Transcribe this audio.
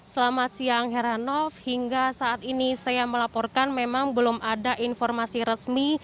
selamat siang heranov hingga saat ini saya melaporkan memang belum ada informasi resmi